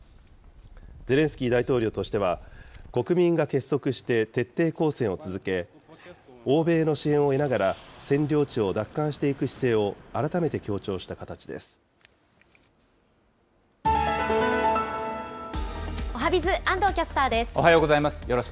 ゼレンスキー大統領としては、国民が結束して徹底抗戦を続け、欧米の支援を得ながら占領地を奪還していく姿勢を改めて強調したおはＢｉｚ、おはようございます。